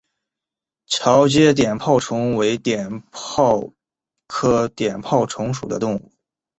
桥街碘泡虫为碘泡科碘泡虫属的动物。